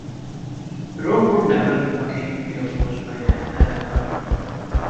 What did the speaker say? Rome would never again be approached by an Arab army.